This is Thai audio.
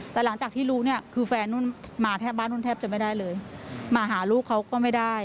แต่หลังจากที่รู้เนี่ยคือแฟนนุ่นมาแทบบ้านนุ่นแทบจะไม่ได้เลยมาหาลูกเขาก็ไม่ได้